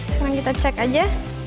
sekarang kita cek aja